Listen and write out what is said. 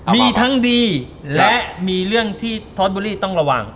มีทั้งดีและมีเรื่องที่ทอสเบอรี่ต้องระวัง